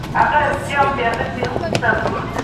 بازار باید په ازاده توګه کار وکړي.